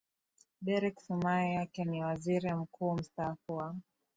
derick sumaye yeye ni waziri mkuu mstaafu wa